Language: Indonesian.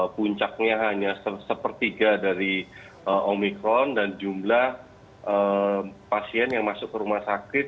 puncaknya hanya sepertiga dari omikron dan jumlah pasien yang masuk ke rumah sakit